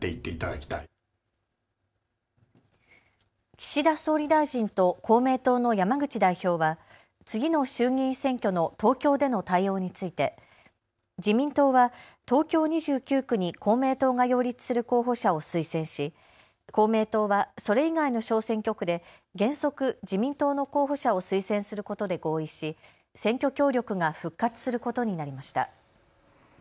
岸田総理大臣と公明党の山口代表は次の衆議院選挙の東京での対応について自民党は東京２９区に公明党が擁立する候補者を推薦し公明党はそれ以外の小選挙区で原則、自民党の候補者を推薦することで合意し選挙協力が復活することになりました。